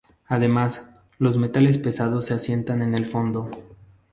Además, los metales pesados se asientan en el fondo.